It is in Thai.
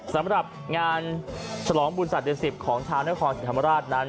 สำหรับงานฉลองบุญศาสตร์เดือดสิบของชาวนครสิทธิธรรมราชนั้น